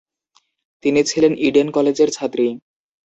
তিনি ছিলেন ইডেন কলেজের ছাত্রী।